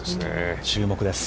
注目です。